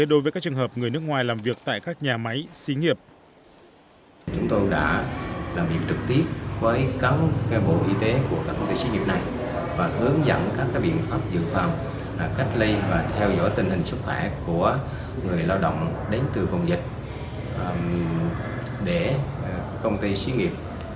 đối với các trường hợp người nước ngoài làm việc tại các nhà máy xí nghiệp